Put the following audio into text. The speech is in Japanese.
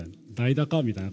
みたいな。